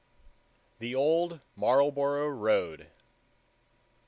THE OLD MARLBOROUGH ROAD.